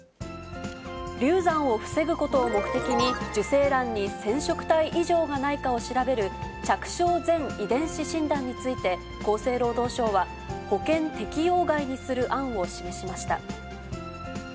流産を防ぐことを目的に、受精卵に染色体異常がないかを調べる、着床前遺伝子診断について、厚生労働省は、保険適用外にする案を示しました。